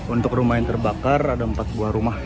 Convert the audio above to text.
untuk rumah yang terbakar ada empat buah rumah